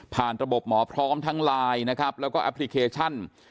ระบบหมอพร้อมทั้งไลน์นะครับแล้วก็แอปพลิเคชัน